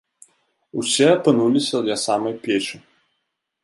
Усе апынуліся ля самай печы.